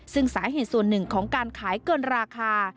ซึ่งสาเหตุส่วนหนึ่งของการขายเกินราคา